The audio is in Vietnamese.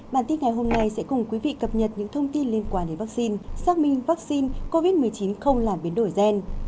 bản tin ngày hôm nay sẽ cùng quý vị cập nhật những thông tin liên quan đến vaccine xác minh vaccine covid một mươi chín không làm biến đổi gen